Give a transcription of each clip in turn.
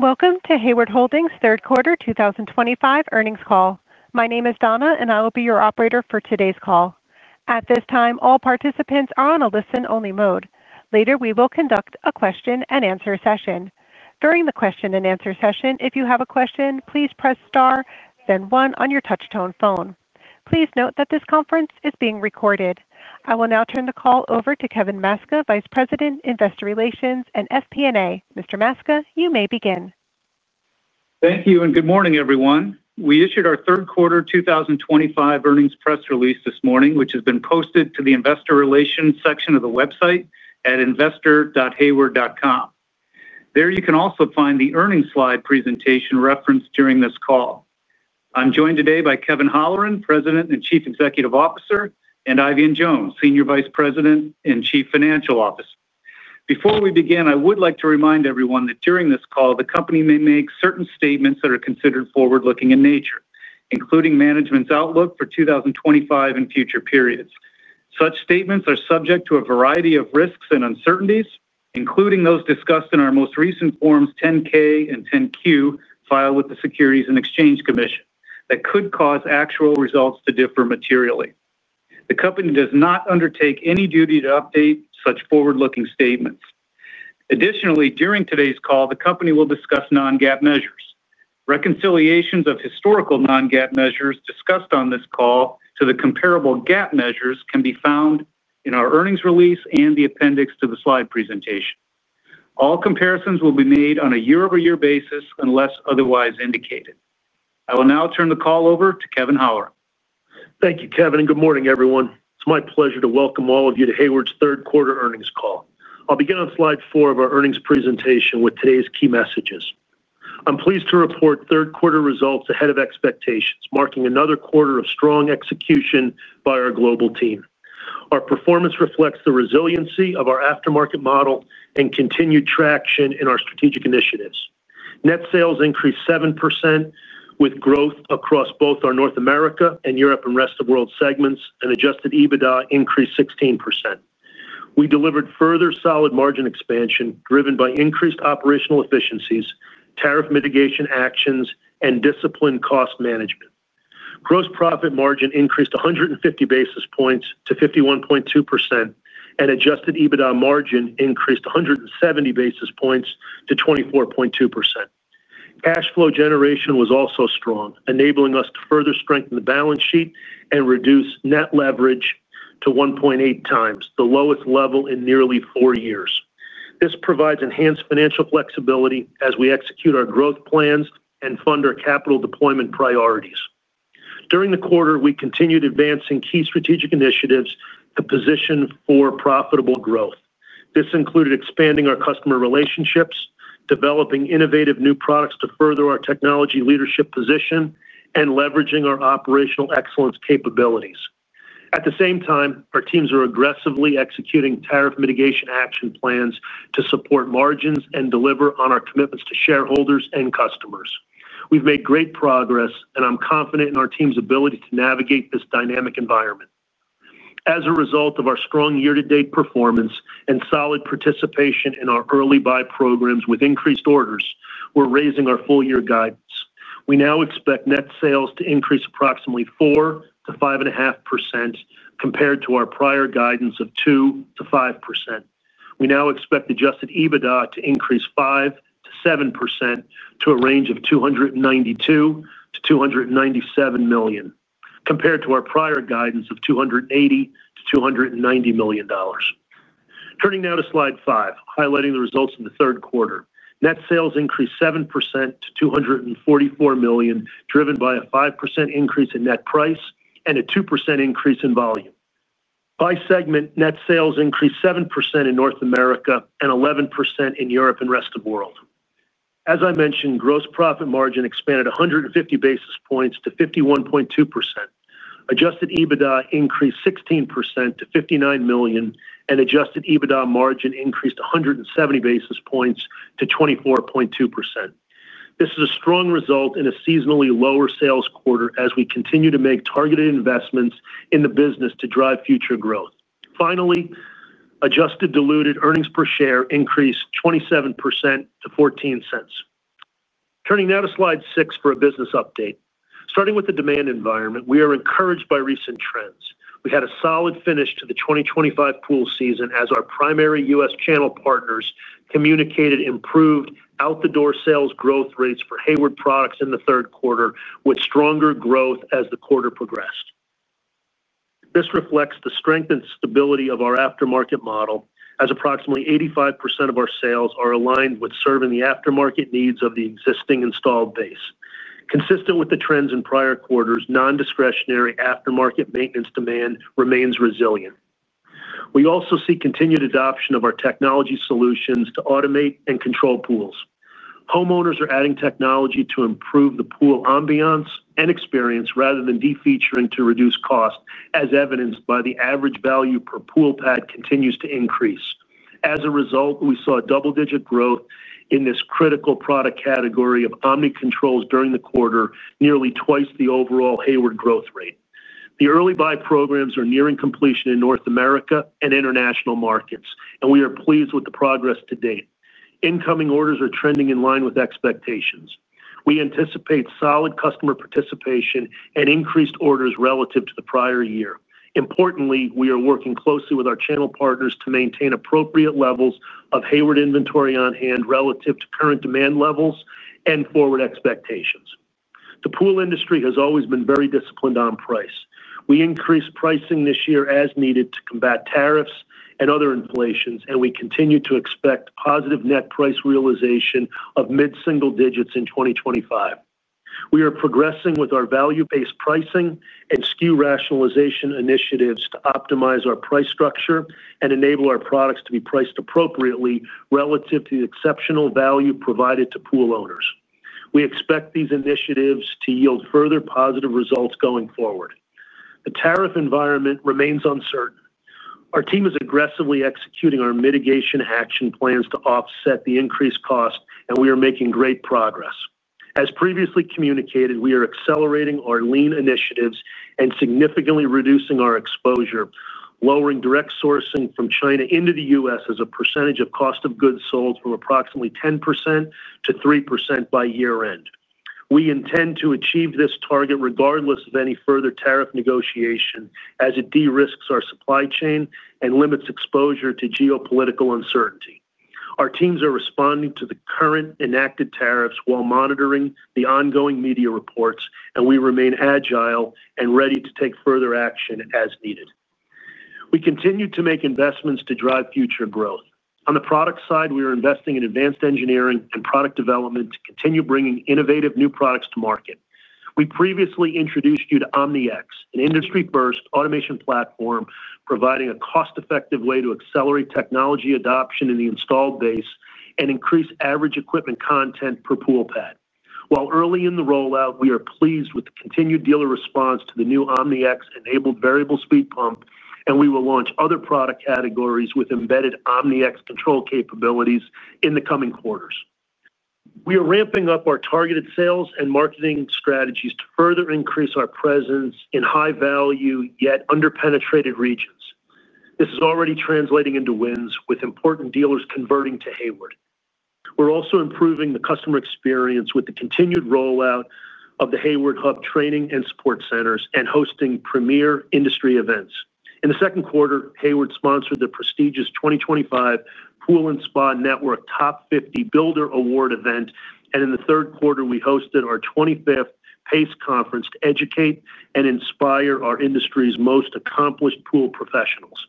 Welcome to Hayward Holdings' third quarter 2025 earnings call. My name is Donna, and I will be your operator for today's call. At this time, all participants are on a listen-only mode. Later, we will conduct a question-and-answer session. During the question-and-answer session, if you have a question, please press star then one on your touch-tone phone. Please note that this conference is being recorded. I will now turn the call over to Kevin Maczka, Vice President, Investor Relations and FP&A. Mr. Maczka, you may begin. Thank you, and good morning, everyone. We issued our third quarter 2025 earnings press release this morning, which has been posted to the Investor Relations section of the website at investor.hayward.com. There, you can also find the earnings slide presentation referenced during this call. I'm joined today by Kevin Holleran, President and Chief Executive Officer, and Eifion Jones, Senior Vice President and Chief Financial Officer. Before we begin, I would like to remind everyone that during this call, the company may make certain statements that are considered forward-looking in nature, including management's outlook for 2025 and future periods. Such statements are subject to a variety of risks and uncertainties, including those discussed in our most recent forms 10-K and 10-Q filed with the Securities and Exchange Commission, that could cause actual results to differ materially. The company does not undertake any duty to update such forward-looking statements. Additionally, during today's call, the company will discuss non-GAAP measures. Reconciliations of historical non-GAAP measures discussed on this call to the comparable GAAP measures can be found in our earnings release and the appendix to the slide presentation. All comparisons will be made on a year-over-year basis unless otherwise indicated. I will now turn the call over to Kevin Holleran. Thank you, Kevin, and good morning, everyone. It's my pleasure to welcome all of you to Hayward's third quarter earnings call. I'll begin on slide four of our earnings presentation with today's key messages. I'm pleased to report third quarter results ahead of expectations, marking another quarter of strong execution by our global team. Our performance reflects the resiliency of our aftermarket model and continued traction in our strategic initiatives. Net sales increased 7% with growth across both our North America and Europe and rest of the world segments, and adjusted EBITDA increased 16%. We delivered further solid margin expansion driven by increased operational efficiencies, tariff mitigation actions, and disciplined cost management. Gross profit margin increased 150 basis points to 51.2%, and adjusted EBITDA margin increased 170 basis points to 24.2%. Cash flow generation was also strong, enabling us to further strengthen the balance sheet and reduce net leverage to 1.8x, the lowest level in nearly four years. This provides enhanced financial flexibility as we execute our growth plans and fund our capital deployment priorities. During the quarter, we continued advancing key strategic initiatives to position for profitable growth. This included expanding our customer relationships, developing innovative new products to further our technology leadership position, and leveraging our operational excellence capabilities. At the same time, our teams are aggressively executing tariff mitigation action plans to support margins and deliver on our commitments to shareholders and customers. We've made great progress, and I'm confident in our team's ability to navigate this dynamic environment. As a result of our strong year-to-date performance and solid participation in our early buy programs with increased orders, we're raising our full-year guidance. We now expect net sales to increase approximately 4%-5.5% compared to our prior guidance of 2%-5%. We now expect adjusted EBITDA to increase 5%-7% to a range of $292 million-$297 million compared to our prior guidance of $280 million-$290 million. Turning now to slide five, highlighting the results in the third quarter. Net sales increased 7% to $244 million, driven by a 5% increase in net price and a 2% increase in volume. By segment, net sales increased 7% in North America and 11% in Europe and the rest of the world. As I mentioned, gross profit margin expanded 150 basis points to 51.2%. Adjusted EBITDA increased 16% to $59 million, and adjusted EBITDA margin increased 170 basis points to 24.2%. This is a strong result in a seasonally lower sales quarter as we continue to make targeted investments in the business to drive future growth. Finally, adjusted diluted earnings per share increased 27% to $0.14. Turning now to slide six for a business update. Starting with the demand environment, we are encouraged by recent trends. We had a solid finish to the 2025 pool season as our primary U.S. channel partners communicated improved out-the-door sales growth rates for Hayward products in the third quarter, with stronger growth as the quarter progressed. This reflects the strength and stability of our aftermarket model, as approximately 85% of our sales are aligned with serving the aftermarket needs of the existing installed base. Consistent with the trends in prior quarters, non-discretionary aftermarket maintenance demand remains resilient. We also see continued adoption of our technology solutions to automate and control pools. Homeowners are adding technology to improve the pool ambiance and experience rather than defeaturing to reduce cost, as evidenced by the average value per pool pad continues to increase. As a result, we saw double-digit growth in this critical product category of Omni controls during the quarter, nearly twice the overall Hayward growth rate. The early buy programs are nearing completion in North America and international markets, and we are pleased with the progress to date. Incoming orders are trending in line with expectations. We anticipate solid customer participation and increased orders relative to the prior year. Importantly, we are working closely with our channel partners to maintain appropriate levels of Hayward inventory on hand relative to current demand levels and forward expectations. The pool industry has always been very disciplined on price. We increased pricing this year as needed to combat tariffs and other inflations, and we continue to expect positive net price realization of mid-single digits in 2025. We are progressing with our value-based pricing and SKU rationalization initiatives to optimize our price structure and enable our products to be priced appropriately relative to the exceptional value provided to pool owners. We expect these initiatives to yield further positive results going forward. The tariff environment remains uncertain. Our team is aggressively executing our mitigation action plans to offset the increased cost, and we are making great progress. As previously communicated, we are accelerating our lean initiatives and significantly reducing our exposure, lowering direct sourcing from China into the U.S. as a percentage of cost of goods sold from approximately 10% to 3% by year-end. We intend to achieve this target regardless of any further tariff negotiation, as it de-risks our supply chain and limits exposure to geopolitical uncertainty. Our teams are responding to the current enacted tariffs while monitoring the ongoing media reports, and we remain agile and ready to take further action as needed. We continue to make investments to drive future growth. On the product side, we are investing in advanced engineering and product development to continue bringing innovative new products to market. We previously introduced you to OmniX, an industry-first automation platform providing a cost-effective way to accelerate technology adoption in the installed base and increase average equipment content per pool pad. While early in the rollout, we are pleased with the continued dealer response to the new OmniX-enabled variable speed pump, and we will launch other product categories with embedded OmniX control capabilities in the coming quarters. We are ramping up our targeted sales and marketing strategies to further increase our presence in high-value yet underpenetrated regions. This is already translating into wins with important dealers converting to Hayward. We're also improving the customer experience with the continued rollout of the Hayward Hub training and support centers and hosting premier industry events. In the second quarter, Hayward sponsored the prestigious 2025 Pool and Spa Network Top 50 Builder Award event, and in the third quarter, we hosted our 25th PACE conference to educate and inspire our industry's most accomplished pool professionals.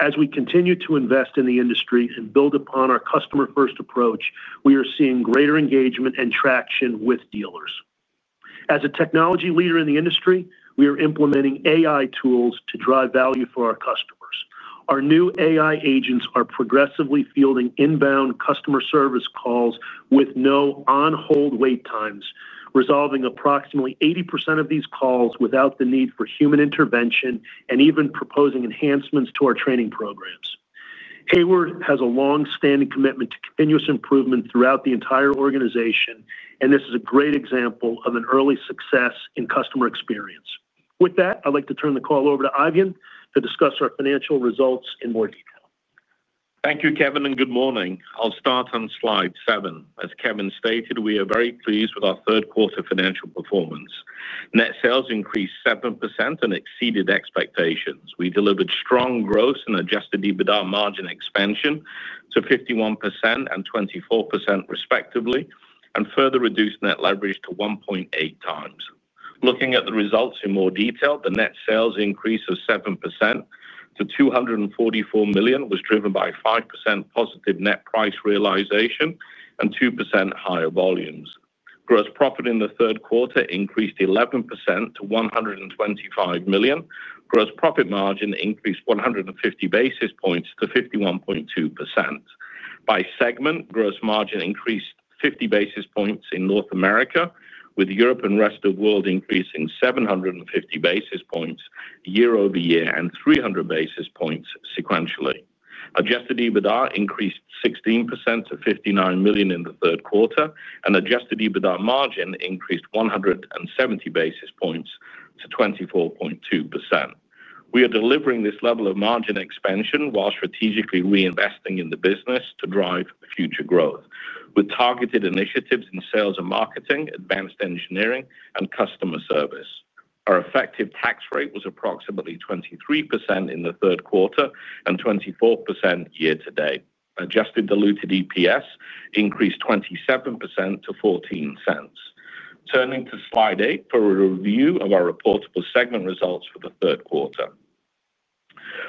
As we continue to invest in the industry and build upon our customer-first approach, we are seeing greater engagement and traction with dealers. As a technology leader in the industry, we are implementing AI tools to drive value for our customers. Our new AI agents are progressively fielding inbound customer service calls with no on-hold waitx, resolving approximately 80% of these calls without the need for human intervention, and even proposing enhancements to our training programs. Hayward has a long-standing commitment to continuous improvement throughout the entire organization, and this is a great example of an early success in customer experience. With that, I'd like to turn the call over to Eifion to discuss our financial results in more detail. Thank you, Kevin, and good morning. I'll start on slide seven. As Kevin stated, we are very pleased with our third quarter financial performance. Net sales increased 7% and exceeded expectations. We delivered strong growth and adjusted EBITDA margin expansion to 51% and 24% respectively, and further reduced net leverage to 1.8x. Looking at the results in more detail, the net sales increase of 7% to $244 million was driven by 5% positive net price realization and 2% higher volumes. Gross profit in the third quarter increased 11% to $125 million. Gross profit margin increased 150 basis points to 51.2%. By segment, gross margin increased 50 basis points in North America, with Europe and the rest of the world increasing 750 basis points year-over-year and 300 basis points sequentially. Adjusted EBITDA increased 16% to $59 million in the third quarter, and adjusted EBITDA margin increased 170 basis points to 24.2%. We are delivering this level of margin expansion while strategically reinvesting in the business to drive future growth, with targeted initiatives in sales and marketing, advanced engineering, and customer service. Our effective tax rate was approximately 23% in the third quarter and 24% year to date. Adjusted diluted EPS increased 27% to $0.14. Turning to slide eight for a review of our reportable segment results for the third quarter.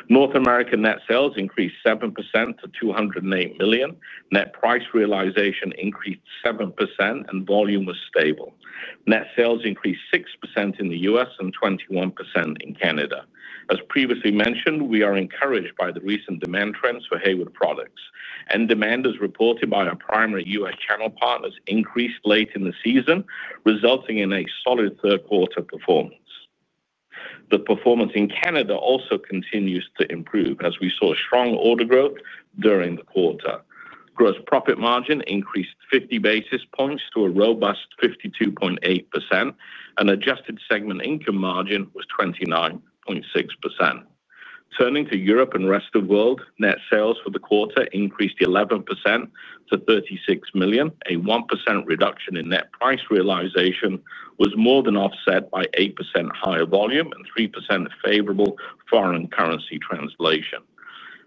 North American net sales increased 7% to $208 million. Net price realization increased 7%, and volume was stable. Net sales increased 6% in the U.S. and 21% in Canada. As previously mentioned, we are encouraged by the recent demand trends for Hayward products, and demand as reported by our primary U.S. channel partners increased late in the season, resulting in a solid third quarter performance. The performance in Canada also continues to improve, as we saw strong order growth during the quarter. Gross profit margin increased 50 basis points to a robust 52.8%, and adjusted segment income margin was 29.6%. Turning to Europe and the rest of the world, net sales for the quarter increased 11% to $36 million. A 1% reduction in net price realization was more than offset by 8% higher volume and 3% favorable foreign currency translation.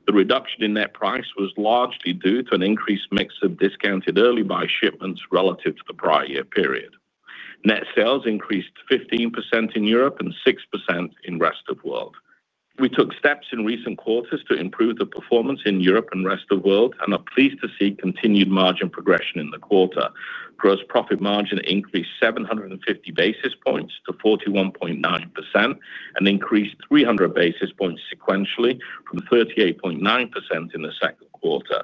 The reduction in net price was largely due to an increased mix of discounted early buy shipments relative to the prior year period. Net sales increased 15% in Europe and 6% in the rest of the world. We took steps in recent quarters to improve the performance in Europe and the rest of the world and are pleased to see continued margin progression in the quarter. Gross profit margin increased 750 basis points to 41.9% and increased 300 basis points sequentially from 38.9% in the second quarter.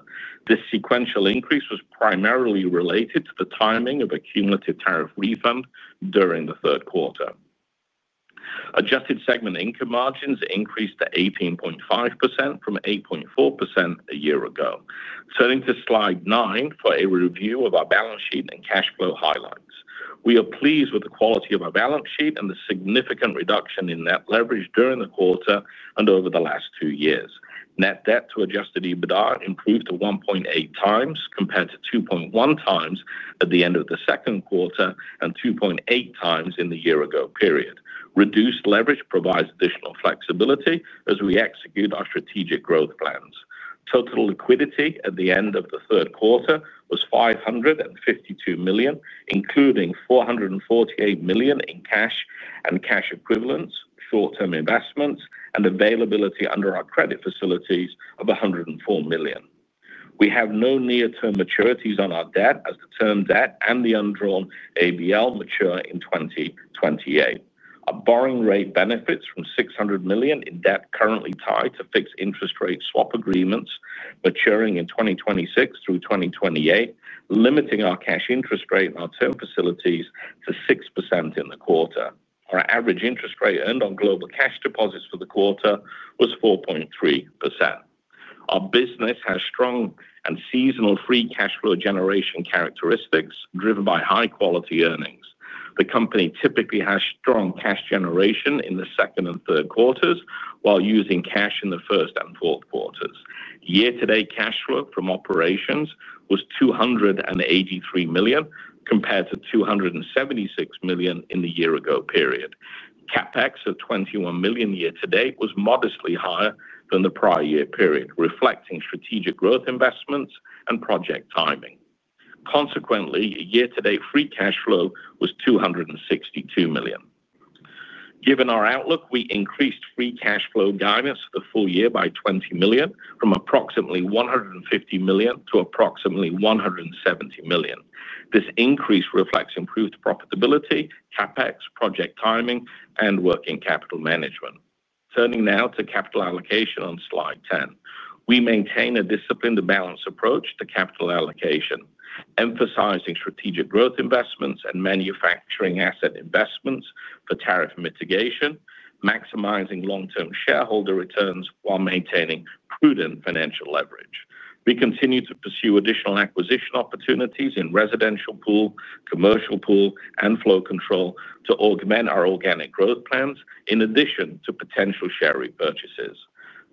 This sequential increase was primarily related to the timing of a cumulative tariff refund during the third quarter. Adjusted segment income margins increased to 18.5% from 8.4% a year ago. Turning to slide nine for a review of our balance sheet and cash flow highlights. We are pleased with the quality of our balance sheet and the significant reduction in net leverage during the quarter and over the last two years. Net debt to adjusted EBITDA improved to 1.8x compared to 2.1x at the end of the second quarter and 2.8x in the year-ago period. Reduced leverage provides additional flexibility as we execute our strategic growth plans. Total liquidity at the end of the third quarter was $552 million, including $448 million in cash and cash equivalents, short-term investments, and availability under our credit facilities of $104 million. We have no near-term maturities on our debt, as the term debt and the undrawn ABL mature in 2028. Our borrowing rate benefits from $600 million in debt currently tied to fixed interest rate swap agreements maturing in 2026 through 2028, limiting our cash interest rate and our term facilities to 6% in the quarter. Our average interest rate earned on global cash deposits for the quarter was 4.3%. Our business has strong and seasonal free cash flow generation characteristics driven by high-quality earnings. The company typically has strong cash generation in the second and third quarters while using cash in the first and fourth quarters. Year-to-date cash flow from operations was $283 million compared to $276 million in the year-ago period. CapEx of $21 million year to date was modestly higher than the prior year period, reflecting strategic growth investments and project timing. Consequently, year-to-date free cash flow was $262 million. Given our outlook, we increased free cash flow guidance for the full year by $20 million from approximately $150 million to approximately $170 million. This increase reflects improved profitability, CapEx, project timing, and working capital management. Turning now to capital allocation on slide ten. We maintain a disciplined balanced approach to capital allocation, emphasizing strategic growth investments and manufacturing asset investments for tariff mitigation, maximizing long-term shareholder returns while maintaining prudent financial leverage. We continue to pursue additional acquisition opportunities in residential pool, commercial pool, and flow control to augment our organic growth plans in addition to potential share repurchases.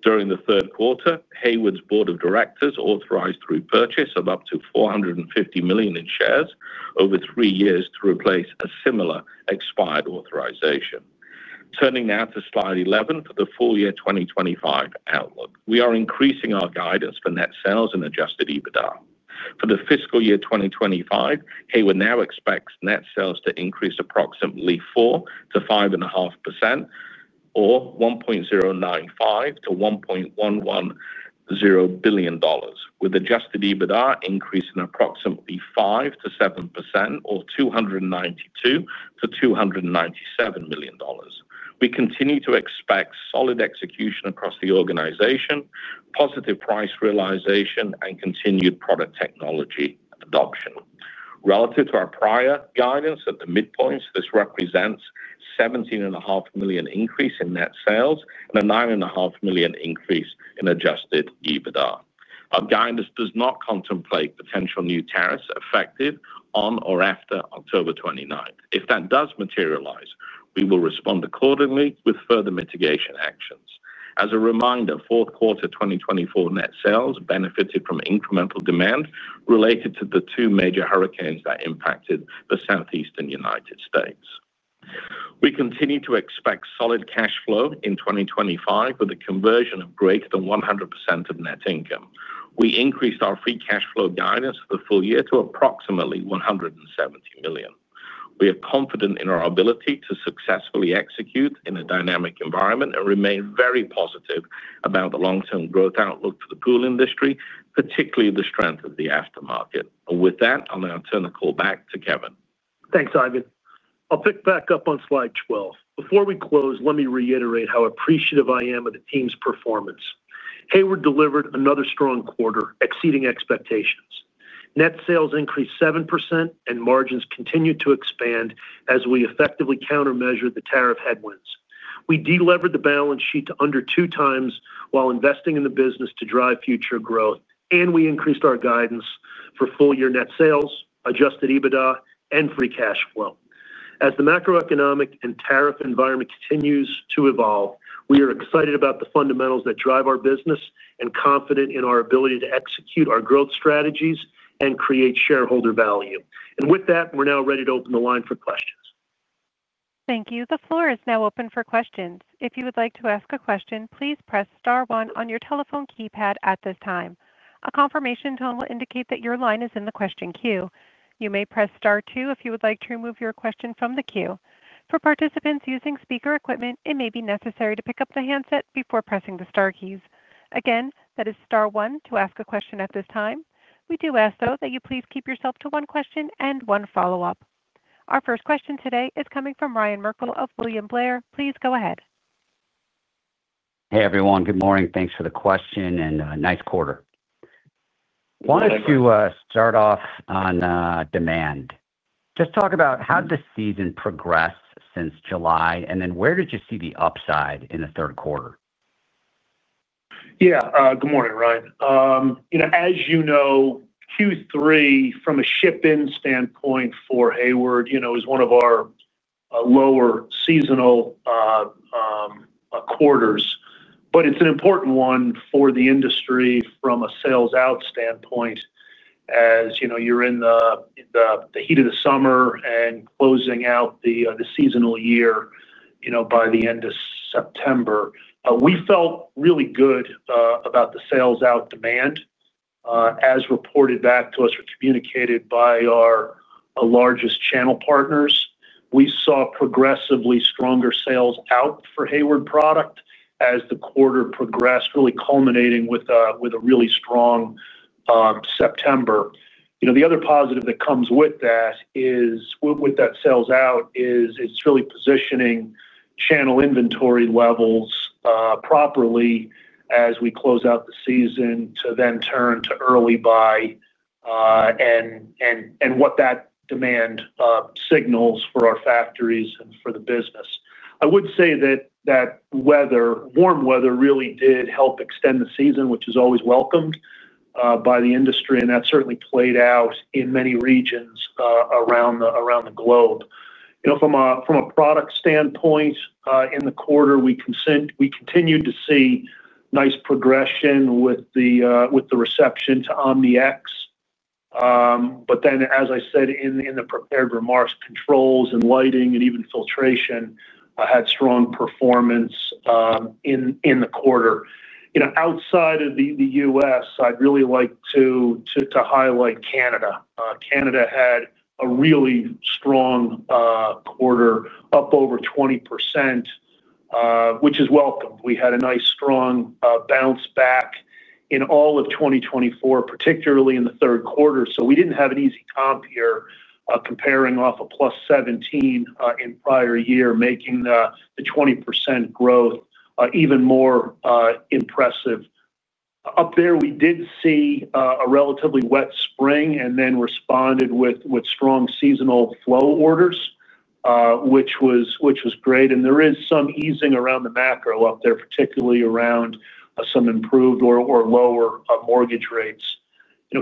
During the third quarter, Hayward's board of directors authorized repurchase of up to $450 million in shares over three years to replace a similar expired authorization. Turning now to slide 11 for the full year 2025 outlook, we are increasing our guidance for net sales and adjusted EBITDA. For the fiscal year 2025, Hayward now expects net sales to increase approximately 4%-5.5% or $1.095 billion-$1.110 billion, with adjusted EBITDA increasing approximately 5%-7% or $292 million-$297 million. We continue to expect solid execution across the organization, positive price realization, and continued product technology adoption. Relative to our prior guidance at the midpoints, this represents a $17.5 million increase in net sales and a $9.5 million increase in adjusted EBITDA. Our guidance does not contemplate potential new tariffs effective on or after October 29. If that does materialize, we will respond accordingly with further mitigation actions. As a reminder, fourth quarter 2024 net sales benefited from incremental demand related to the two major hurricanes that impacted the southeastern United States. We continue to expect solid cash flow in 2025 with a conversion of greater than 100% of net income. We increased our free cash flow guidance for the full year to approximately $170 million. We are confident in our ability to successfully execute in a dynamic environment and remain very positive about the long-term growth outlook for the pool industry, particularly the strength of the aftermarket. With that, I'll now turn the call back to Kevin. Thanks, Eifion. I'll pick back up on slide 12. Before we close, let me reiterate how appreciative I am of the team's performance. Hayward delivered another strong quarter, exceeding expectations. Net sales increased 7% and margins continued to expand as we effectively countermeasured the tariff headwinds. We delivered the balance sheet to under twox while investing in the business to drive future growth, and we increased our guidance for full-year net sales, adjusted EBITDA, and free cash flow. As the macroeconomic and tariff environment continues to evolve, we are excited about the fundamentals that drive our business and confident in our ability to execute our growth strategies and create shareholder value. With that, we're now ready to open the line for questions. Thank you. The floor is now open for questions. If you would like to ask a question, please press star one on your telephone keypad at this time. A confirmation tone will indicate that your line is in the question queue. You may press star two if you would like to remove your question from the queue. For participants using speaker equipment, it may be necessary to pick up the handset before pressing the star keys. Again, that is star one to ask a question at this time. We do ask, though, that you please keep yourself to one question and one follow-up. Our first question today is coming from Ryan Merkel of William Blair. Please go ahead. Hey, everyone. Good morning. Thanks for the question and a nice quarter. I wanted to start off on demand. Just talk about how did the season progress since July, and then where did you see the upside in the third quarter? Yeah. Good morning, Ryan. As you know, Q3 from a ship-in standpoint for Hayward, you know, is one of our lower seasonal quarters, but it's an important one for the industry from a sales out standpoint. As you know, you're in the heat of the summer and closing out the seasonal year by the end of September. We felt really good about the sales out demand as reported back to us or communicated by our largest channel partners. We saw progressively stronger sales out for Hayward product as the quarter progressed, really culminating with a really strong September. The other positive that comes with that sales out is it's really positioning channel inventory levels properly as we close out the season to then turn to early buy and what that demand signals for our factories and for the business. I would say that weather, warm weather, really did help extend the season, which is always welcomed by the industry, and that certainly played out in many regions around the globe. From a product standpoint in the quarter, we continued to see nice progression with the reception to OmniX. As I said in the prepared remarks, controls and lighting and even filtration had strong performance in the quarter. Outside of the U.S., I'd really like to highlight Canada. Canada had a really strong quarter, up over 20%, which is welcomed. We had a nice strong bounce back in all of 2024, particularly in the third quarter. We didn't have an easy comp here comparing off a +17% in prior year, making the 20% growth even more impressive. Up there, we did see a relatively wet spring and then responded with strong seasonal flow orders, which was great. There is some easing around the macro up there, particularly around some improved or lower mortgage rates.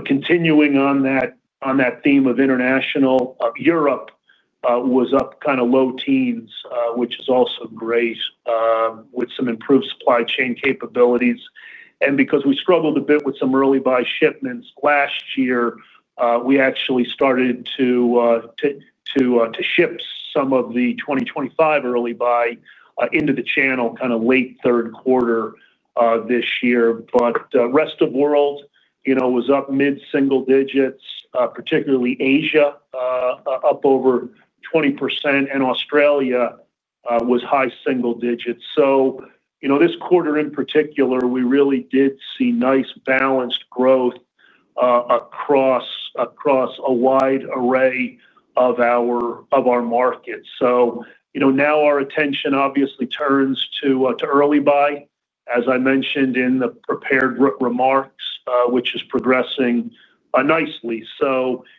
Continuing on that theme of international, Europe was up kind of low teens, which is also great with some improved supply chain capabilities. Because we struggled a bit with some early buy shipments last year, we actually started to ship some of the 2025 early buy into the channel kind of late third quarter this year. The rest of the world was up mid-single digits, particularly Asia up over 20%, and Australia was high single digits. This quarter in particular, we really did see nice balanced growth across a wide array of our markets. Now our attention obviously turns to early buy, as I mentioned in the prepared remarks, which is progressing nicely.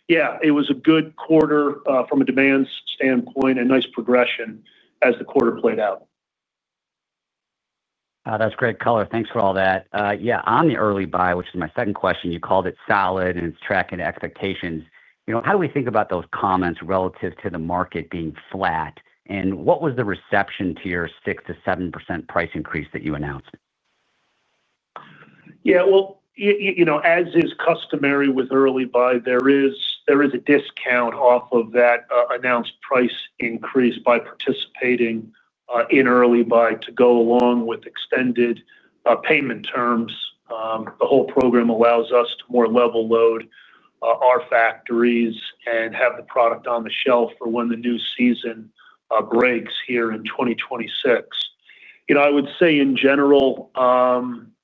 It was a good quarter from a demand standpoint and nice progression as the quarter played out. That's great color. Thanks for all that. On the early buy, which is my second question, you called it solid and it's tracking expectations. How do we think about those comments relative to the market being flat, and what was the reception to your 6%-7% price increase that you announced? As is customary with early buy, there is a discount off of that announced price increase by participating in early buy to go along with extended payment terms. The whole program allows us to more level load our factories and have the product on the shelf for when the new season breaks here in 2026. In general,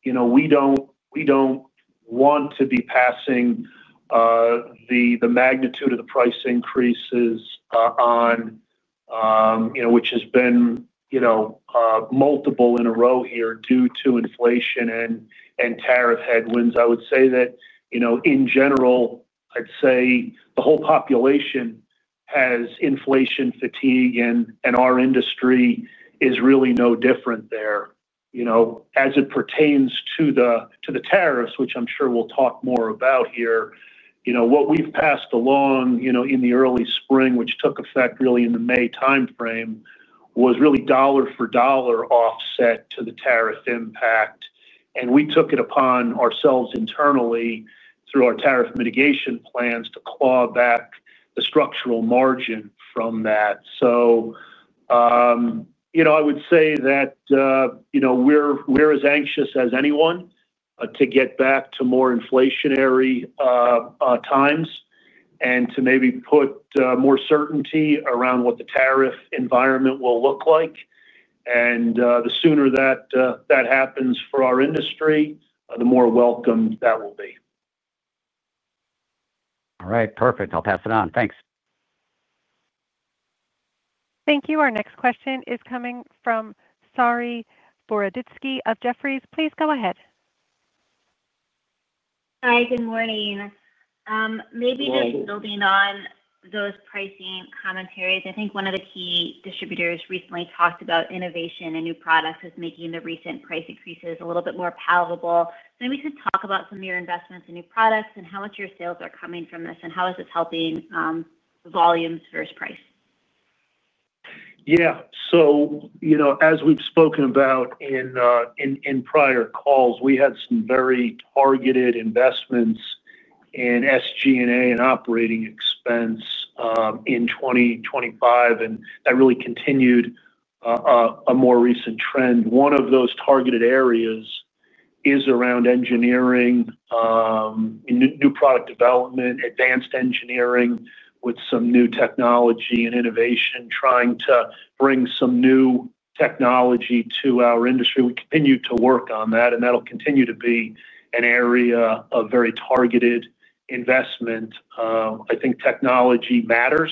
we don't want to be passing the magnitude of the price increases on, which has been multiple in a row here due to inflation and tariff headwinds. I would say that in general, the whole population has inflation fatigue, and our industry is really no different there. As it pertains to the tariffs, which I'm sure we'll talk more about here, what we've passed along in the early spring, which took effect really in the May timeframe, was really dollar for dollar offset to the tariff impact. We took it upon ourselves internally through our tariff mitigation plans to claw back the structural margin from that. I would say that we're as anxious as anyone to get back to more inflationary times and to maybe put more certainty around what the tariff environment will look like. The sooner that happens for our industry, the more welcome that will be. All right, perfect. I'll pass it on. Thanks. Thank you. Our next question is coming from Saree Boroditsky of Jefferies. Please go ahead. Hi, good morning. Maybe just building on those pricing commentaries, I think one of the key distributors recently talked about innovation and new products as making the recent price increases a little bit more palatable. Maybe you could talk about some of your investments in new products and how much your sales are coming from this, and how is this helping the volumes versus price? Yeah. As we've spoken about in prior calls, we had some very targeted investments in SG&A and operating expense in 2025, and that really continued a more recent trend. One of those targeted areas is around engineering, new product development, advanced engineering with some new technology and innovation, trying to bring some new technology to our industry. We continue to work on that, and that'll continue to be an area of very targeted investment. I think technology matters,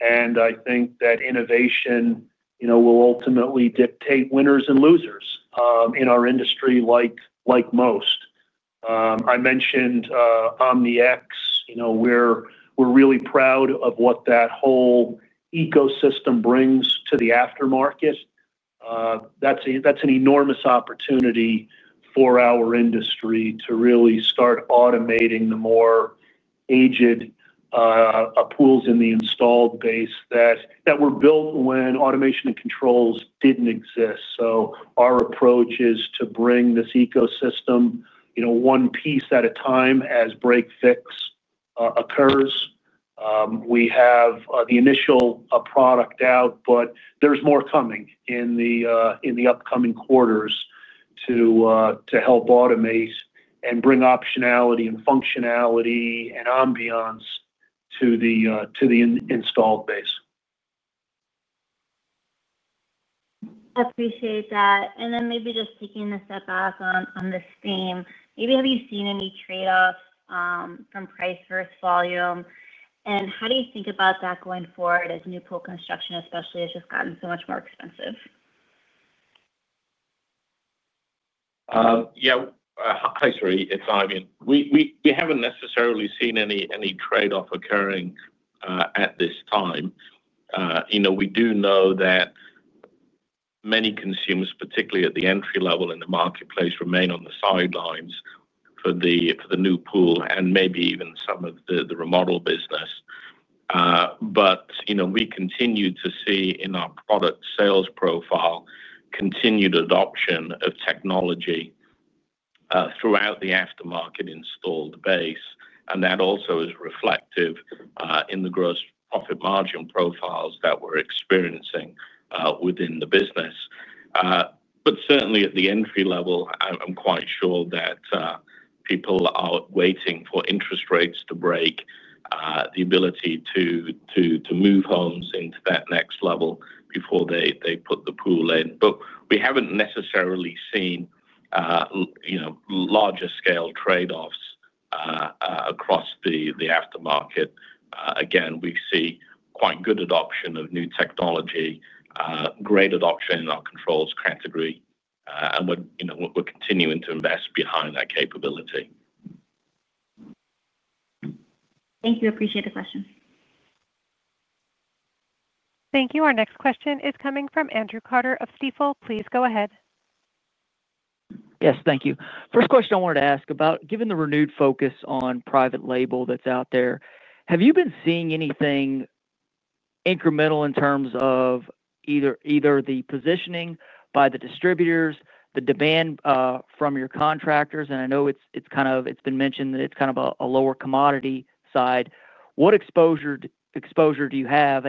and I think that innovation will ultimately dictate winners and losers in our industry like most. I mentioned OmniX. We're really proud of what that whole ecosystem brings to the aftermarket. That's an enormous opportunity for our industry to really start automating the more aged pools in the installed base that were built when automation and controls didn't exist. Our approach is to bring this ecosystem one piece at a time as break-fix occurs. We have the initial product out, but there's more coming in the upcoming quarters to help automate and bring optionality and functionality and ambience to the installed base. I appreciate that. Maybe just taking a step back on this theme, have you seen any trade-offs from price versus volume? How do you think about that going forward as new pool construction, especially as it's gotten so much more expensive? Yeah. Hi, Saree. It's Eifion. We haven't necessarily seen any trade-off occurring at this time. You know, we do know that many consumers, particularly at the entry level in the marketplace, remain on the sidelines for the new pool and maybe even some of the remodel business. You know, we continue to see in our product sales profile continued adoption of technology throughout the aftermarket installed base, and that also is reflective in the gross profit margin profiles that we're experiencing within the business. Certainly at the entry level, I'm quite sure that people are waiting for interest rates to break the ability to move homes into that next level before they put the pool in. We haven't necessarily seen larger scale trade-offs across the aftermarket. Again, we see quite good adoption of new technology, great adoption in our controls category, and we're continuing to invest behind that capability. Thank you. I appreciate the question. Thank you. Our next question is coming from Andrew Carter of Stifel. Please go ahead. Yes, thank you. First question I wanted to ask about, given the renewed focus on private label that's out there, have you been seeing anything incremental in terms of either the positioning by the distributors, the demand from your contractors? I know it's kind of, it's been mentioned that it's kind of a lower commodity side. What exposure do you have?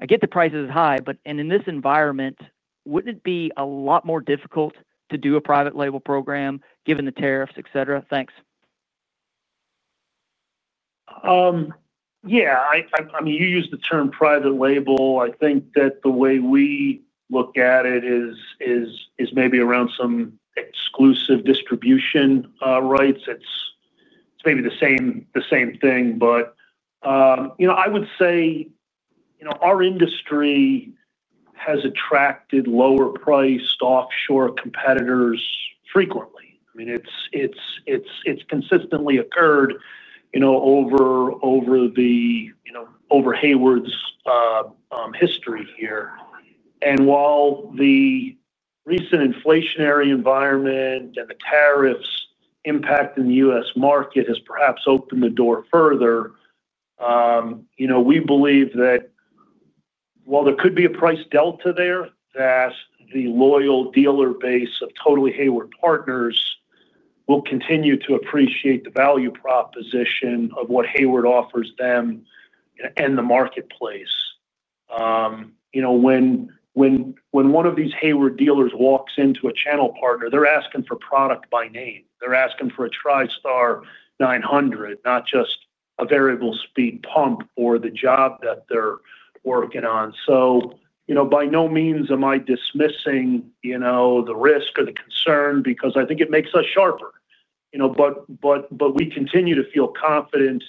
I get the price is high, but in this environment, wouldn't it be a lot more difficult to do a private label program given the tariffs, etc.? Thanks. Yeah. I mean, you use the term private label. I think that the way we look at it is maybe around some exclusive distribution rights. It's maybe the same thing. You know, I would say our industry has attracted lower priced offshore competitors frequently. I mean, it's consistently occurred over Hayward's history here. While the recent inflationary environment and the tariffs impacting the U.S. market has perhaps opened the door further, we believe that while there could be a price delta there, the loyal dealer base of totally Hayward partners will continue to appreciate the value proposition of what Hayward offers them and the marketplace. When one of these Hayward dealers walks into a channel partner, they're asking for product by name. They're asking for a TriStar 900, not just a variable speed pump for the job that they're working on. By no means am I dismissing the risk or the concern because I think it makes us sharper. We continue to feel confident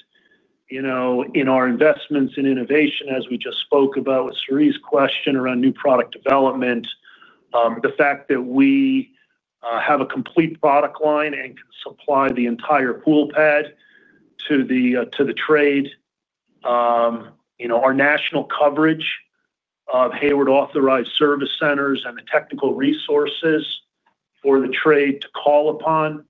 in our investments in innovation, as we just spoke about with Saree's question around new product development. The fact that we have a complete product line and can supply the entire pool pad to the trade. Our national coverage of Hayward authorized service centers and the technical resources for the trade to call upon.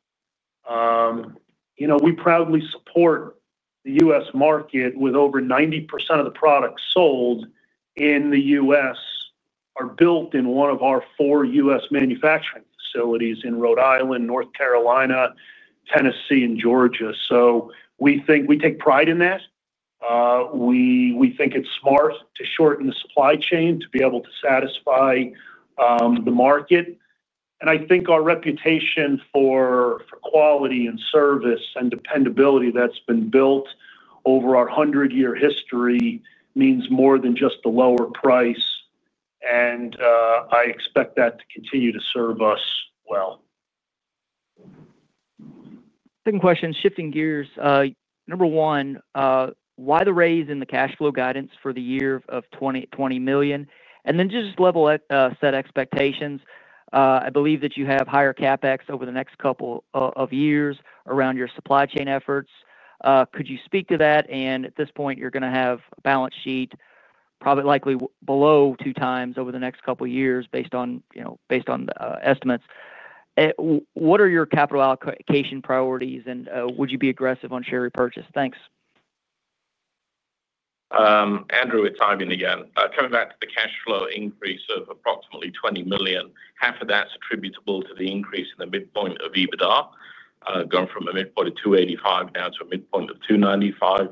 We proudly support the U.S. market with over 90% of the products sold in the U.S. built in one of our four U.S. manufacturing facilities in Rhode Island, North Carolina, Tennessee, and Georgia. We take pride in that. We think it's smart to shorten the supply chain to be able to satisfy the market. I think our reputation for quality and service and dependability that's been built over our 100-year history means more than just the lower price, and I expect that to continue to serve us well. Second question, shifting gears. Number one, why the raise in the cash flow guidance for the year of $20 million? Just level set expectations. I believe that you have higher CapEx over the next couple of years around your supply chain efforts. Could you speak to that? At this point, you're going to have a balance sheet probably likely below twox over the next couple of years based on the estimates. What are your capital allocation priorities, and would you be aggressive on share repurchase? Thanks. Andrew, it's Eifion again. Coming back to the cash flow increase of approximately $20 million, half of that's attributable to the increase in the midpoint of EBITDA, going from a midpoint of $285 million now to a midpoint of $295 million.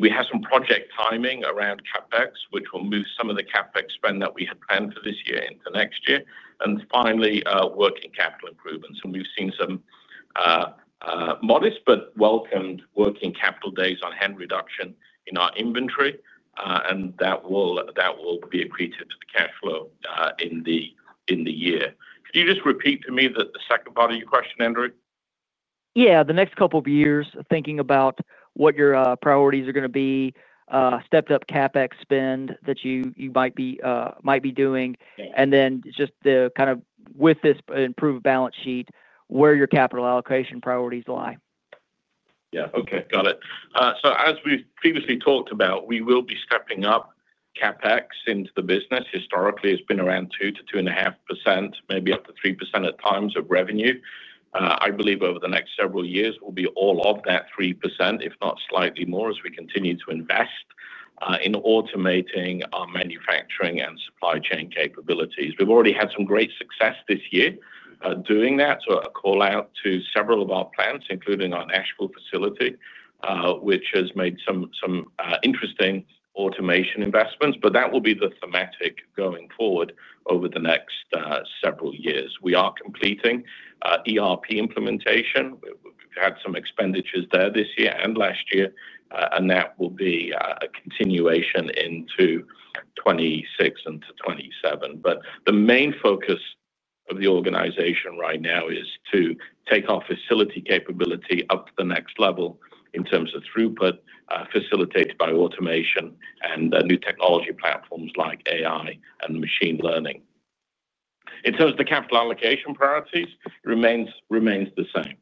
We have some project timing around CapEx, which will move some of the CapEx spend that we had planned for this year into next year. Finally, working capital improvements. We've seen some modest but welcomed working capital days on hand reduction in our inventory, and that will be accreted to the cash flow in the year. Could you just repeat to me the second part of your question, Andrew? Yeah. The next couple of years, thinking about what your priorities are going to be, stepped up CapEx spend that you might be doing, and then just the kind of with this improved balance sheet, where your capital allocation priorities lie. Yeah. Okay. Got it. As we've previously talked about, we will be stepping up CapEx into the business. Historically, it's been around 2%-2.5%, maybe up to 3% at times of revenue. I believe over the next several years, we'll be all of that 3%, if not slightly more, as we continue to invest in automating our manufacturing and supply chain capabilities. We've already had some great success this year doing that. A call out to several of our plants, including our Nashville facility, which has made some interesting automation investments. That will be the thematic going forward over the next several years. We are completing ERP implementation. We've had some expenditures there this year and last year, and that will be a continuation into 2026 and to 2027. The main focus of the organization right now is to take our facility capability up to the next level in terms of throughput, facilitated by automation and new technology platforms like AI and machine learning. In terms of the capital allocation priorities, it remains the same.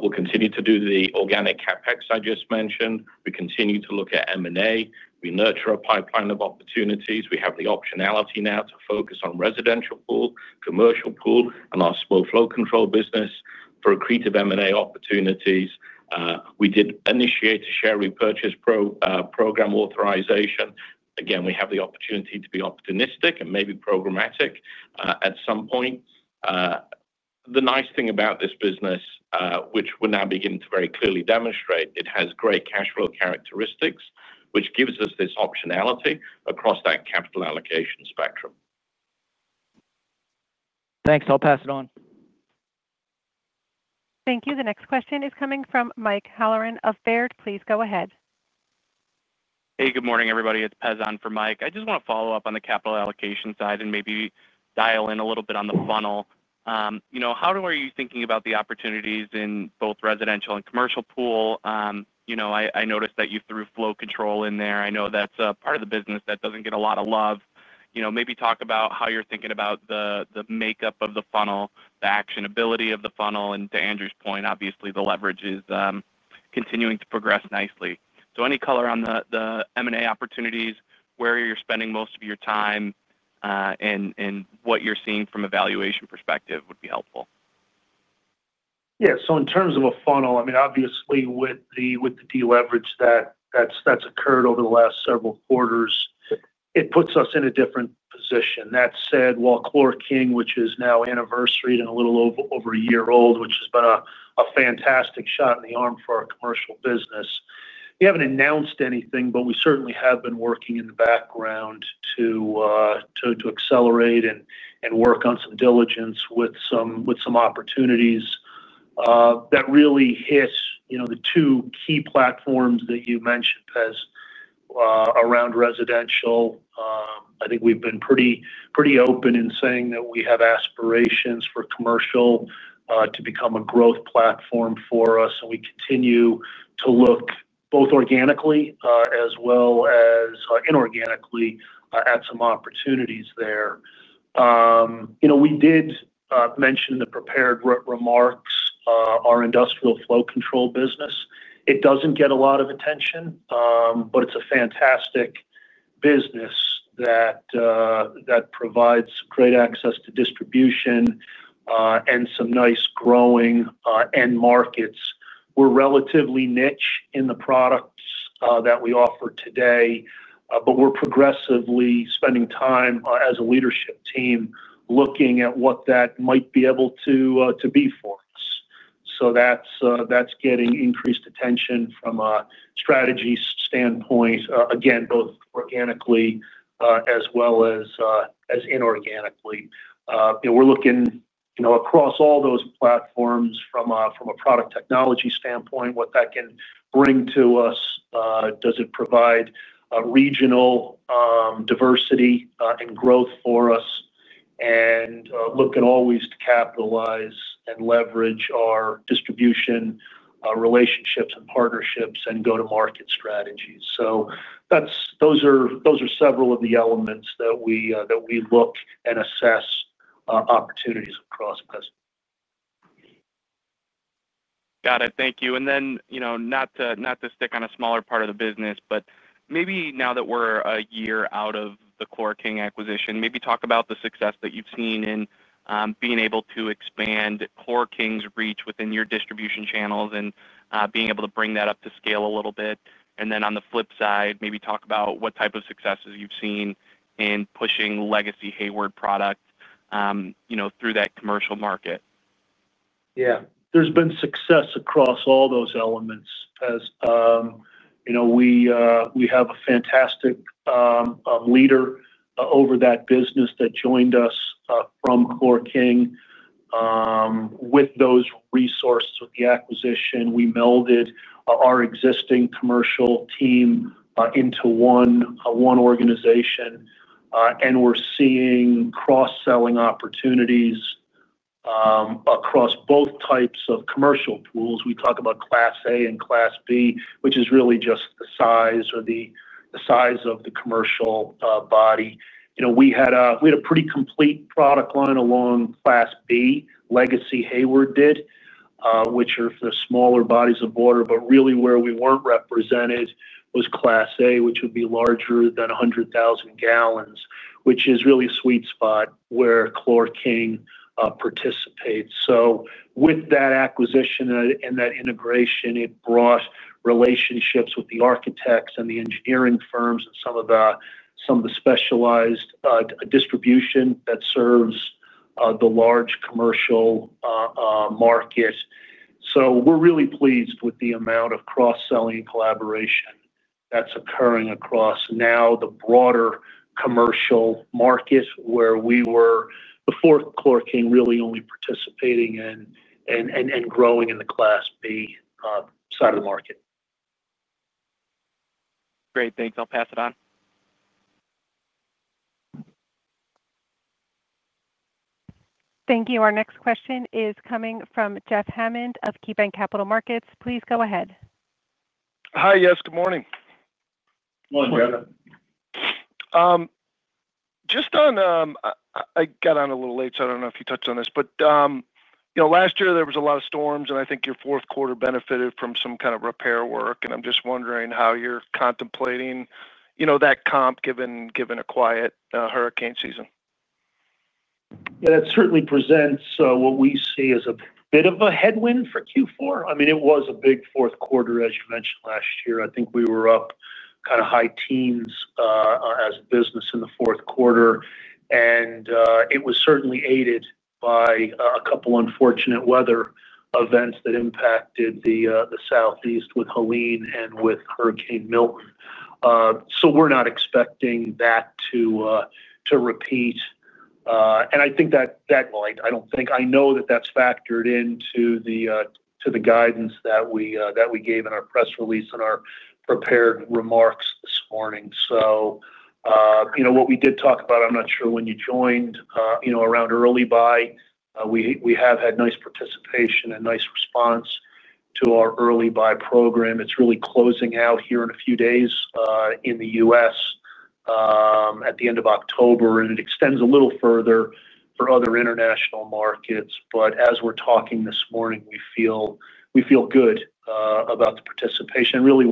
We'll continue to do the organic CapEx I just mentioned. We continue to look at M&A. We nurture a pipeline of opportunities. We have the optionality now to focus on residential pool, commercial pool, and our small flow control business for accretive M&A opportunities. We did initiate a share repurchase program authorization. Again, we have the opportunity to be opportunistic and maybe programmatic at some point. The nice thing about this business, which we're now beginning to very clearly demonstrate, it has great cash flow characteristics, which gives us this optionality across that capital allocation spectrum. Thanks. I'll pass it on. Thank you. The next question is coming from Mike Halloran of Baird. Please go ahead. Hey, good morning, everybody. It's Pez Saini for Mike. I just want to follow up on the capital allocation side and maybe dial in a little bit on the funnel. How are you thinking about the opportunities in both residential and commercial pool? I noticed that you threw flow control in there. I know that's a part of the business that doesn't get a lot of love. Maybe talk about how you're thinking about the makeup of the funnel, the actionability of the funnel, and to Andrew's point, obviously, the leverage is continuing to progress nicely. Any color on the M&A opportunities, where you're spending most of your time, and what you're seeing from a valuation perspective would be helpful. Yeah. In terms of a funnel, obviously, with the de-leverage that's occurred over the last several quarters, it puts us in a different position. That said, while ChlorKing, which is now anniversary and a little over a year old, which has been a fantastic shot in the arm for our commercial business, we haven't announced anything, but we certainly have been working in the background to accelerate and work on some diligence with some opportunities that really hit the two key platforms that you mentioned, Pez, around residential. I think we've been pretty open in saying that we have aspirations for commercial to become a growth platform for us. We continue to look both organically as well as inorganically at some opportunities there. We did mention in the prepared remarks our industrial flow control business. It doesn't get a lot of attention, but it's a fantastic business that provides great access to distribution and some nice growing end markets. We're relatively niche in the products that we offer today, but we're progressively spending time as a leadership team looking at what that might be able to be for us. That's getting increased attention from a strategy standpoint, again, both organically as well as inorganically. We're looking across all those platforms from a product technology standpoint, what that can bring to us. Does it provide regional diversity and growth for us? Looking always to capitalize and leverage our distribution relationships and partnerships and go-to-market strategies. Those are several of the elements that we look and assess opportunities across, Pez. Got it. Thank you. Not to stick on a smaller part of the business, but maybe now that we're a year out of the ChlorKing acquisition, maybe talk about the success that you've seen in being able to expand ChlorKing's reach within your distribution channels and being able to bring that up to scale a little bit. On the flip side, maybe talk about what type of successes you've seen in pushing legacy Hayward products through that commercial market. Yeah. There's been success across all those elements, Pez. You know, we have a fantastic leader over that business that joined us from ChlorKing. With those resources, with the acquisition, we melded our existing commercial team into one organization, and we're seeing cross-selling opportunities across both types of commercial pools. We talk about Class A and Class B, which is really just the size or the size of the commercial body. You know, we had a pretty complete product line along Class B, legacy Hayward did, which are for smaller bodies of water. Really where we weren't represented was Class A, which would be larger than 100,000 gallons, which is really a sweet spot where ChlorKing participates. With that acquisition and that integration, it brought relationships with the architects and the engineering firms and some of the specialized distribution that serves the large commercial market. We're really pleased with the amount of cross-selling and collaboration that's occurring across now the broader commercial market where before ChlorKing really only participated in and grew in the Class B side of the market. Great, thanks. I'll pass it on. Thank you. Our next question is coming from Jeff Hammond of KeyBanc Capital Markets. Please go ahead. Hi. Yes, good morning. Morning, Kevin. I got on a little late, so I don't know if you touched on this, but you know, last year there was a lot of storms, and I think your fourth quarter benefited from some kind of repair work. I'm just wondering how you're contemplating that comp given a quiet hurricane season. Yeah, that certainly presents what we see as a bit of a headwind for Q4. I mean, it was a big fourth quarter, as you mentioned, last year. I think we were up kind of high teens as a business in the fourth quarter. It was certainly aided by a couple of unfortunate weather events that impacted the Southeast with Helene and with Hurricane Milton. We are not expecting that to repeat. I know that is factored into the guidance that we gave in our press release and our prepared remarks this morning. What we did talk about, around early buy, we have had nice participation and nice response to our early buy program. It is really closing out here in a few days in the U.S. at the end of October, and it extends a little further for other international markets. As we are talking this morning, we feel good about the participation and really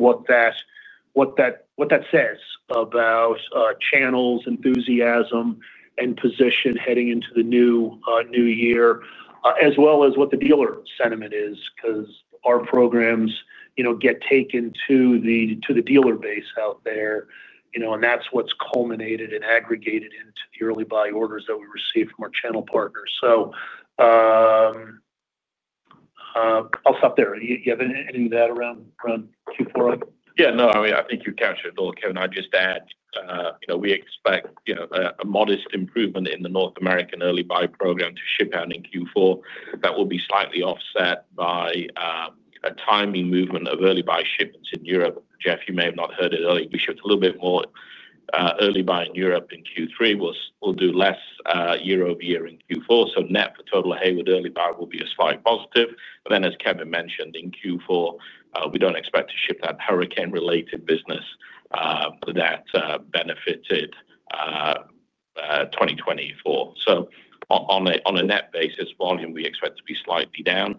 what that says about channels, enthusiasm, and position heading into the new year, as well as what the dealer sentiment is because our programs get taken to the dealer base out there, and that is what is culminated and aggregated into the early buy orders that we receive from our channel partners. I will stop there. Do you have any of that around Q4? Yeah. No, I mean, I think you captured it all, Kevin. I'd just add, you know, we expect a modest improvement in the North American early buy program to ship out in Q4. That will be slightly offset by a timing movement of early buy shipments in Europe. Jeff, you may have not heard it earlier. We shipped a little bit more early buy in Europe in Q3. We'll do less year-over-year in Q4. Net for total Hayward early buy will be a slight positive. As Kevin mentioned, in Q4, we don't expect to ship that hurricane-related business that benefited 2024. On a net basis, volume we expect to be slightly down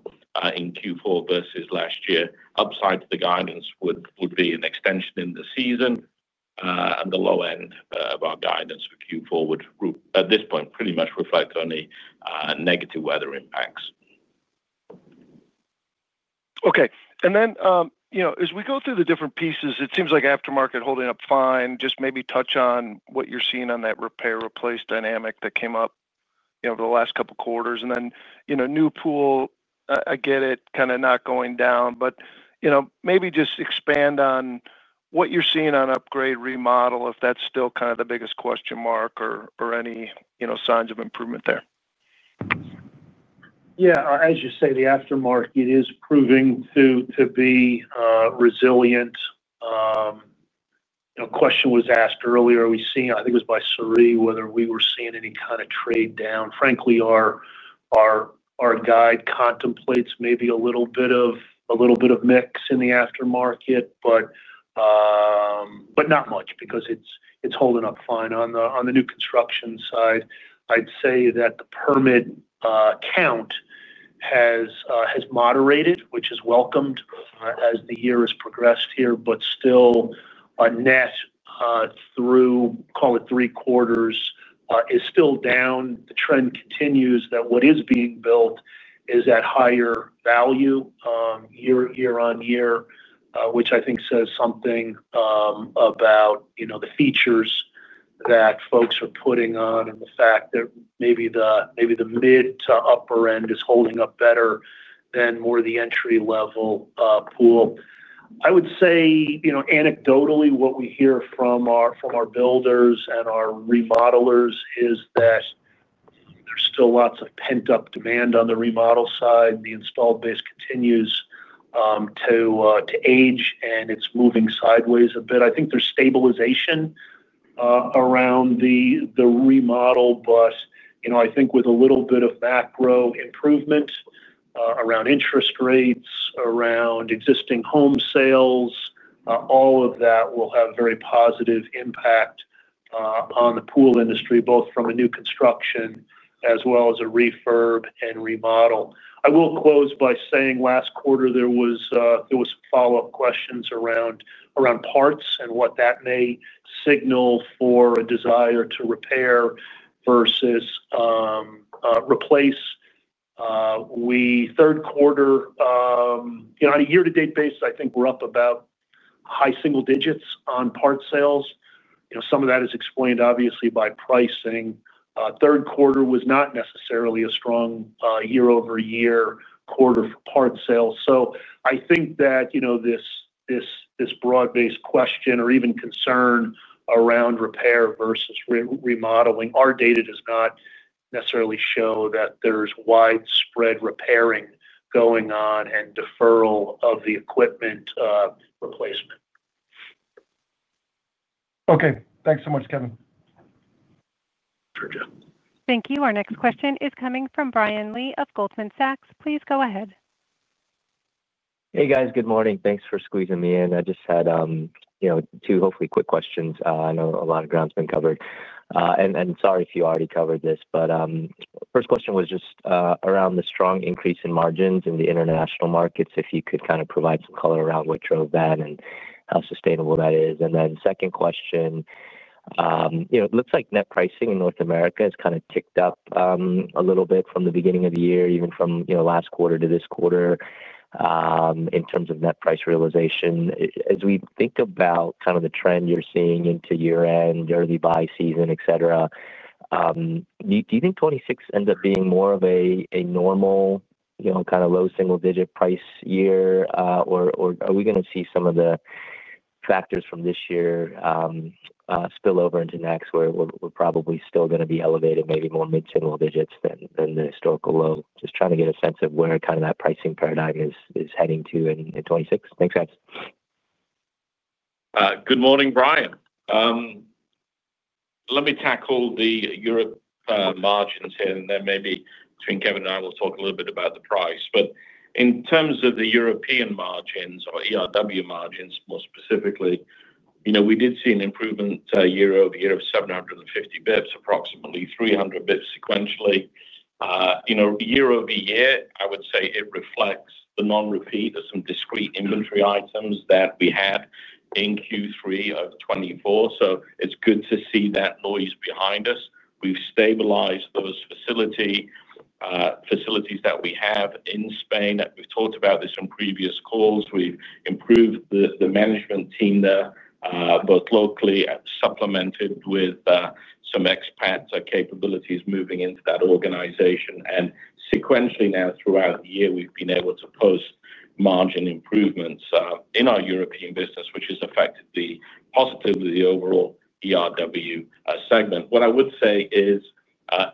in Q4 versus last year. Upside to the guidance would be an extension in the season. The low end of our guidance for Q4 would, at this point, pretty much reflect on the negative weather impacts. Okay. As we go through the different pieces, it seems like aftermarket holding up fine. Maybe touch on what you're seeing on that repair replace dynamic that came up over the last couple of quarters. New pool, I get it, kind of not going down. Maybe just expand on what you're seeing on upgrade, remodel, if that's still kind of the biggest question mark or any signs of improvement there. Yeah. As you say, the aftermarket is proving to be resilient. A question was asked earlier, are we seeing, I think it was by Saree, whether we were seeing any kind of trade down. Frankly, our guide contemplates maybe a little bit of mix in the aftermarket, but not much because it's holding up fine on the new construction side. I'd say that the permit count has moderated, which is welcomed as the year has progressed here, but still a net through, call it three quarters, is still down. The trend continues that what is being built is at higher value year on year, which I think says something about, you know, the features that folks are putting on and the fact that maybe the mid to upper end is holding up better than more of the entry-level pool. I would say, you know, anecdotally, what we hear from our builders and our remodelers is that there's still lots of pent-up demand on the remodel side. The installed base continues to age, and it's moving sideways a bit. I think there's stabilization around the remodel, but you know, I think with a little bit of macro improvement around interest rates, around existing home sales, all of that will have a very positive impact on the pool industry, both from a new construction as well as a refurb and remodel. I will close by saying last quarter there were some follow-up questions around parts and what that may signal for a desire to repair versus replace. Third quarter, you know, on a year-to-date basis, I think we're up about high single digits on part sales. You know, some of that is explained obviously by pricing. Third quarter was not necessarily a strong year-over-year quarter for part sales. I think that, you know, this broad-based question or even concern around repair versus remodeling, our data does not necessarily show that there's widespread repairing going on and deferral of the equipment replacement. Okay, thanks so much, Kevin. Thank you. Our next question is coming from Brian Lee of Goldman Sachs. Please go ahead. Hey, guys. Good morning. Thanks for squeezing me in. I just had two hopefully quick questions. I know a lot of ground's been covered. Sorry if you already covered this, but first question was just around the strong increase in margins in the international markets, if you could kind of provide some color around what drove that and how sustainable that is. Second question, it looks like net pricing in North America has kind of ticked up a little bit from the beginning of the year, even from last quarter to this quarter in terms of net price realization. As we think about kind of the trend you're seeing into year-end, early buy season, etc., do you think 2026 ends up being more of a normal, you know, kind of low single-digit price year, or are we going to see some of the factors from this year spill over into next where we're probably still going to be elevated maybe more mid-single digits than the historical low? Just trying to get a sense of where kind of that pricing paradigm is heading to in 2026. Thanks, guys. Good morning, Brian. Let me tackle the Europe margins here, and then maybe between Kevin and I will talk a little bit about the price. In terms of the European margins or ERW margins more specifically, we did see an improvement year-over-year of 750 bps, approximately 300 bps sequentially. Year over year, I would say it reflects the non-repeat of some discrete inventory items that we had in Q3 of 2024. It's good to see that noise behind us. We've stabilized those facilities that we have in Spain. We've talked about this in previous calls. We've improved the management team there, both locally and supplemented with some expat capabilities moving into that organization. Sequentially now throughout the year, we've been able to post margin improvements in our European business, which has affected positively the overall ERW segment. What I would say is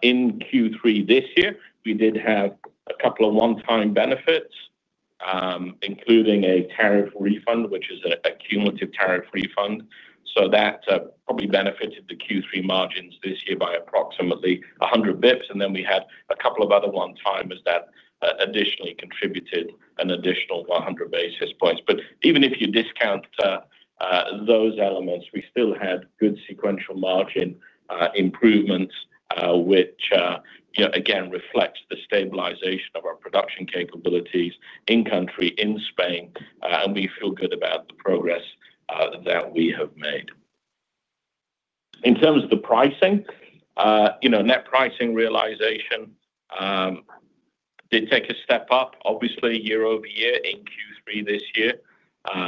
in Q3 this year, we did have a couple of one-time benefits, including a tariff refund, which is a cumulative tariff refund. That probably benefited the Q3 margins this year by approximately 100 bps. We had a couple of other one-timers that additionally contributed an additional 100 bps. Even if you discount those elements, we still had good sequential margin improvements, which, again, reflect the stabilization of our production capabilities in-country in Spain. We feel good about the progress that we have made. In terms of the pricing, net price realization did take a step up, obviously, year-over-year in Q3 this year,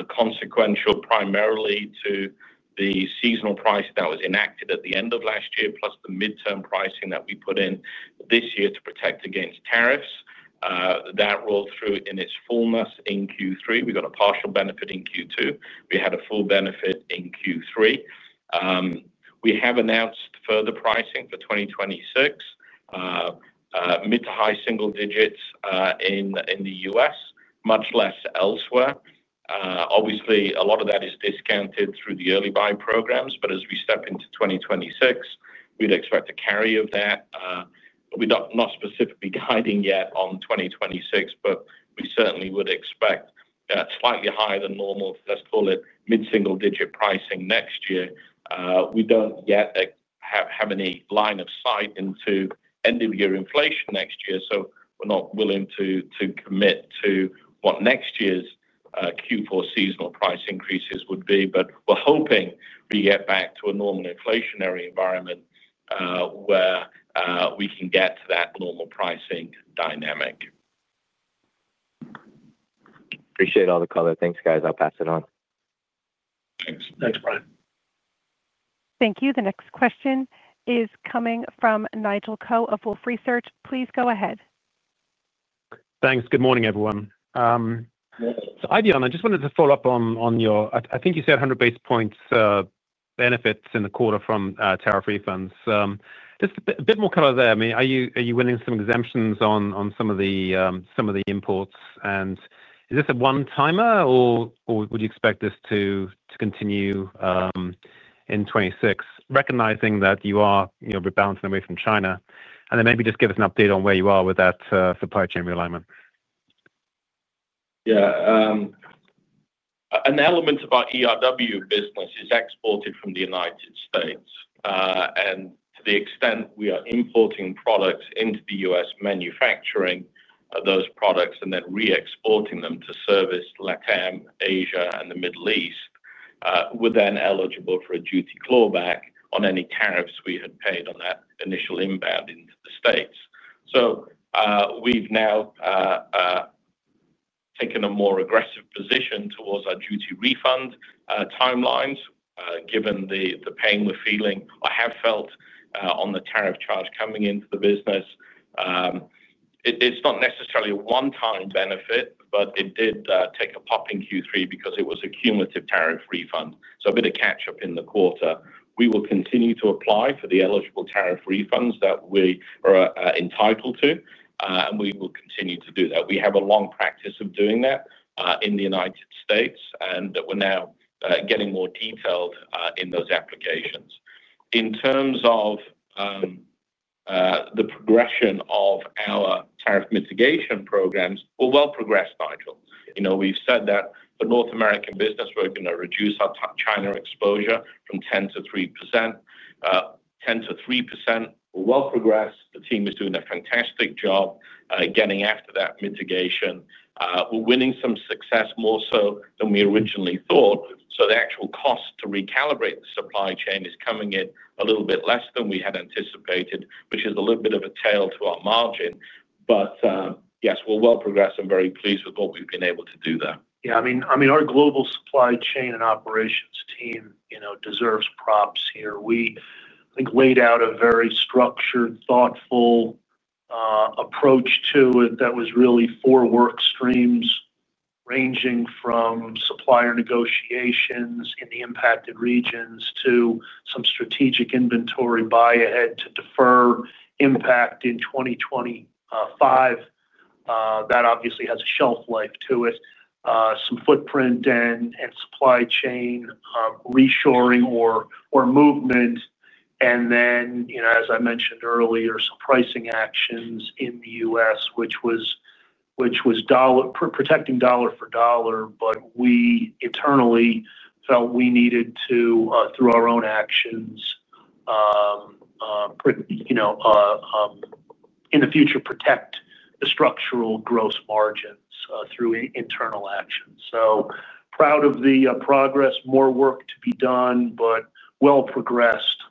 consequential primarily to the seasonal price that was enacted at the end of last year, plus the midterm pricing that we put in this year to protect against tariffs. That rolled through in its fullness in Q3. We got a partial benefit in Q2. We had a full benefit in Q3. We have announced further pricing for 2026, mid to high single digits in the U.S., much less elsewhere. A lot of that is discounted through the early buy programs. As we step into 2026, we'd expect a carry of that. We're not specifically guiding yet on 2026, but we certainly would expect slightly higher than normal, let's call it mid-single digit pricing next year. We don't yet have any line of sight into end-of-year inflation next year. We're not willing to commit to what next year's Q4 seasonal price increases would be, but we're hoping we get back to a normal inflationary environment where we can get to that normal pricing dynamic. Appreciate all the color. Thanks, guys. I'll pass it on. Thanks. Thanks, Brian. Thank you. The next question is coming from Nigel Coe of Wolfe Research. Please go ahead. Thanks. Good morning, everyone. Eifion, I just wanted to follow up on your, I think you said, 100 basis points benefits in the quarter from tariff refunds. Just a bit more color there. I mean, are you winning some exemptions on some of the imports? Is this a one-timer, or would you expect this to continue in 2026, recognizing that you are rebounding away from China? Maybe just give us an update on where you are with that supply chain realignment. Yeah. An element of our ERW business is exported from the United States. To the extent we are importing products into the U.S., manufacturing those products, and then re-exporting them to service LATAM, Asia, and the Middle East, we're then eligible for a duty clawback on any tariffs we had paid on that initial inbound into the States. We have now taken a more aggressive position towards our duty refund timelines, given the pain we are feeling, I have felt, on the tariff charge coming into the business. It's not necessarily a one-time benefit, but it did take a pop in Q3 because it was a cumulative tariff refund. A bit of catch-up in the quarter. We will continue to apply for the eligible tariff refunds that we are entitled to, and we will continue to do that. We have a long practice of doing that in the United States, and we're now getting more detailed in those applications. In terms of the progression of our tariff mitigation programs, we're well progressed, Nigel. You know, we've said that for North American business, we're going to reduce our China exposure from 10% to 3%. 10% to 3%, we're well progressed. The team is doing a fantastic job getting after that mitigation. We're winning some success more so than we originally thought. The actual cost to recalibrate the supply chain is coming in a little bit less than we had anticipated, which is a little bit of a tale to our margin. Yes, we're well progressed and very pleased with what we've been able to do there. Yeah. I mean, our global supply chain and operations team deserves props here. I think we laid out a very structured, thoughtful approach to it that was really four work streams ranging from supplier negotiations in the impacted regions to some strategic inventory buy-ahead to defer impact in 2025. That obviously has a shelf life to it, some footprint and supply chain reshoring or movement. As I mentioned earlier, some pricing actions in the U.S., which was protecting dollar for dollar, but we internally felt we needed to, through our own actions, in the future, protect the structural gross margins through internal actions. Proud of the progress, more work to be done, but well progressed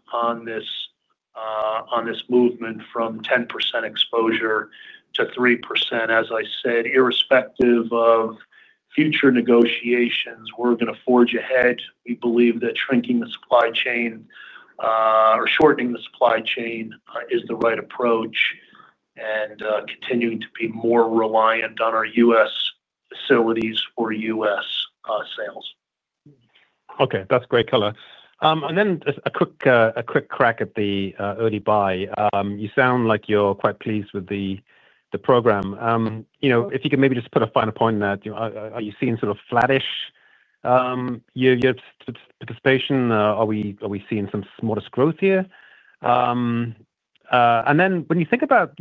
on this movement from 10% exposure to 3%. As I said, irrespective of future negotiations, we're going to forge ahead. We believe that shrinking the supply chain or shortening the supply chain is the right approach and continuing to be more reliant on our U.S. facilities for U.S. sales. Okay. That's great color. A quick crack at the early buy. You sound like you're quite pleased with the program. If you could maybe just put a finer point on that, are you seeing sort of flattish year-to-year participation? Are we seeing some modest growth here? When you think about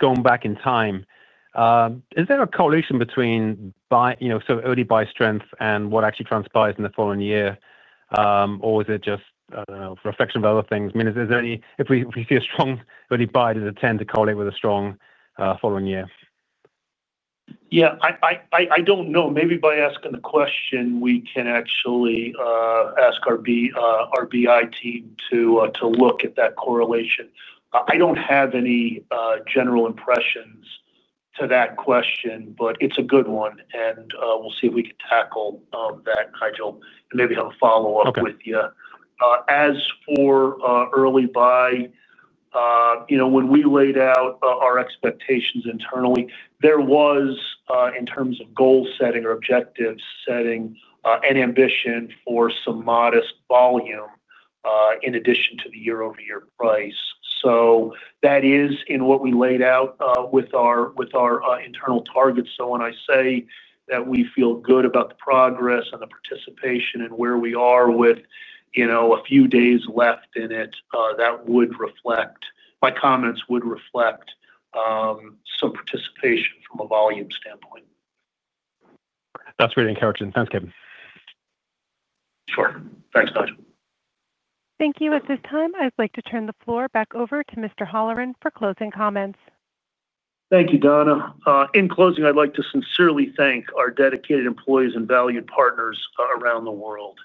going back in time, is there a correlation between early buy strength and what actually transpires in the following year, or is it just a reflection of other things? I mean, if we see a strong early buy, does it tend to correlate with a strong following year? Yeah. I don't know. Maybe by asking the question, we can actually ask our BI team to look at that correlation. I don't have any general impressions to that question, but it's a good one. We'll see if we can tackle that, Nigel, and maybe have a follow-up with you. As for early buy, when we laid out our expectations internally, there was, in terms of goal setting or objective setting, an ambition for some modest volume in addition to the year-over-year price. That is in what we laid out with our internal targets. When I say that we feel good about the progress and the participation and where we are with a few days left in it, that would reflect, my comments would reflect some participation from a volume standpoint. That's really encouraging. Thanks, Kevin. Sure. Thanks, Nigel. Thank you. At this time, I'd like to turn the floor back over to Mr. Holleran for closing comments. Thank you, Donna. In closing, I'd like to sincerely thank our dedicated employees and valued partners around the world.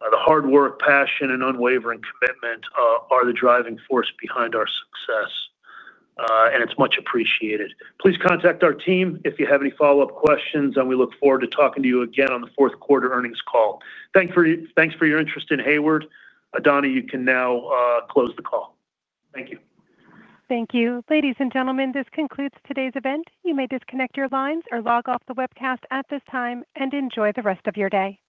The hard work, passion, and unwavering commitment are the driving force behind our success, and it's much appreciated. Please contact our team if you have any follow-up questions, and we look forward to talking to you again on the fourth quarter earnings call. Thanks for your interest in Hayward. Donna, you can now close the call. Thank you. Thank you. Ladies and gentlemen, this concludes today's event. You may disconnect your lines or log off the webcast at this time and enjoy the rest of your day.